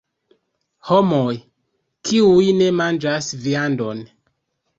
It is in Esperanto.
Homoj, kiuj ne manĝas viandon.